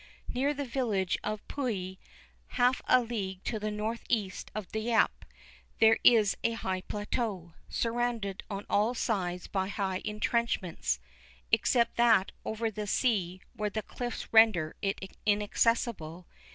"Near the village of Puys, half a league to the north east of Dieppe, there is a high plateau, surrounded on all sides by high entrenchments, except that over the sea, where the cliffs render it inaccessible.